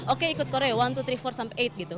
oke ikut korea satu dua tiga empat sampai delapan gitu